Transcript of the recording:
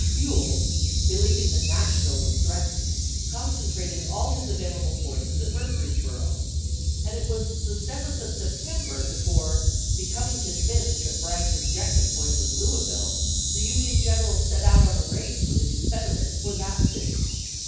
Buell, believing that Nashville was threatened, concentrated all his available forces at Murfreesboro, 1862. and it was the 7th of September before, becoming convinced that Bragg's objective point was Louis ville, the Union general set out on a race with the Confederates for that city.